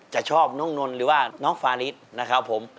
จะชอบน้องนนท์หรือว่าน้องฟาริสนะครับผม